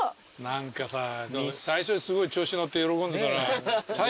何かさ最初にすごい調子乗って喜んでたら。